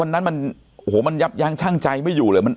แล้วมันวันนั้นมันยับยางชั่งใจไหม